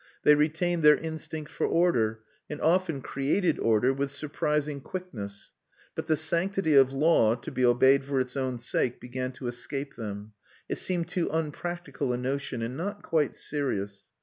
They retained their instinct for order, and often created order with surprising quickness; but the sanctity of law, to be obeyed for its own sake, began to escape them; it seemed too unpractical a notion, and not quite serious.